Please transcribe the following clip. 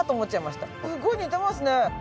すごい似てますね。